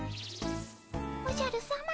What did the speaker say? おじゃるさま。